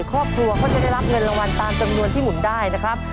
ครอบครัวเขาจะได้รับเงินรางวัลตามจำนวนที่หมุนได้นะครับ